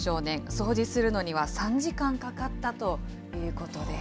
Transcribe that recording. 掃除するのには３時間かかったということです。